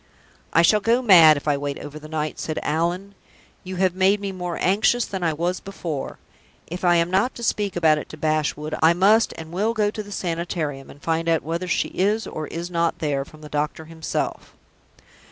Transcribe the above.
"I shall go mad if I wait over the night," said Allan. "You have made me more anxious than I was before. If I am not to speak about it to Bashwood, I must and will go to the Sanitarium, and find out whether she is or is not there, from the doctor himself."